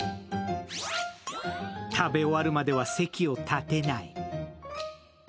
食べ終わるまでは席を立てない。